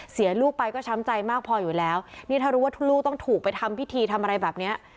เสียลูกไปก็ช้ำใจมากพออยู่แล้วนี่ถ้ารู้ว่าลูกต้องถูกไปทำพิธีทำอะไรแบบเนี้ย